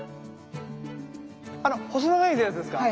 あの細長いやつですか？